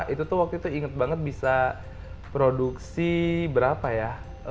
itu waktu itu ingat banget bisa produksi berapa ya